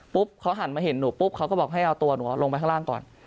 เขาหันมาเห็นหนูปุ๊บเขาก็บอกให้เอาตัวหนูลงไปข้างล่างก่อน